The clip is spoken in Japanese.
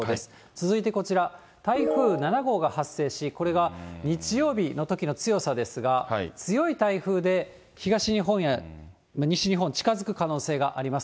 続いてこちら、台風７号が発生し、これが日曜日のときの強さですが、強い台風で、東日本や西日本近づく可能性があります。